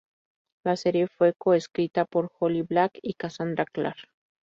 La serie fue co-escrita por Holly Black y Cassandra Clare.